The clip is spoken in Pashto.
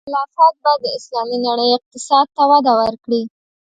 خلافت به د اسلامي نړۍ اقتصاد ته وده ورکړي.